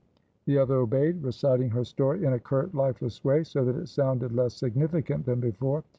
The other obeyed, reciting her story in a curt, lifeless way, so that it sounded less significant than before.